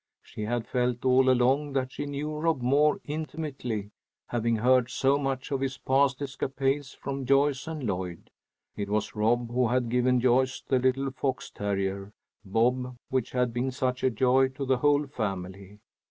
She had felt all along that she knew Rob Moore intimately, having heard so much of his past escapades from Joyce and Lloyd. It was Rob who had given Joyce the little fox terrier, Bob, which had been such a joy to the whole family.